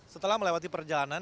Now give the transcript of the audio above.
setelah melewati perjalanan